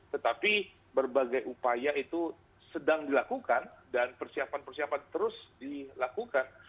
tetapi berbagai upaya itu sedang dilakukan dan persiapan persiapan terus dilakukan